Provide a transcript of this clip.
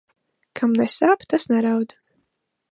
Kam nesāp, tas neraud.